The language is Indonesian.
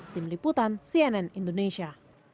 tim liputan cnn indonesia